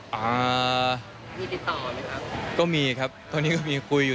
อ่ามีติดต่อไหมครับก็มีครับตอนนี้ก็มีคุยอยู่